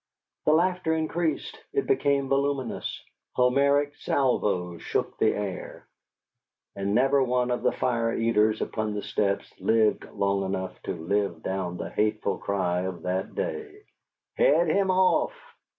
The laughter increased. It became voluminous. Homeric salvos shook the air. And never one of the fire eaters upon the steps lived long enough to live down the hateful cry of that day, "HEAD HIM OFF!"